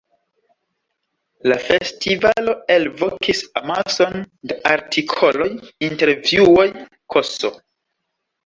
La festivalo elvokis amason da artikoloj, intervjuoj ks.